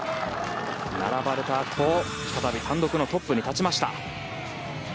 並ばれたあと再び単独のトップに立ちました。